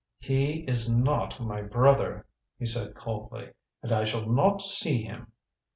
"He is not my brother," he said coldly, "and I shall not see him.